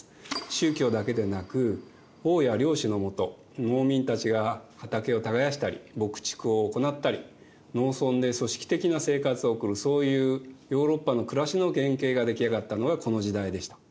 宗教だけでなく王や領主のもと農民たちが畑を耕したり牧畜を行ったり農村で組織的な生活を送るそういうヨーロッパの暮らしの原型が出来上がったのがこの時代でした。